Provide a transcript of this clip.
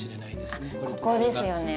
あっここですよね。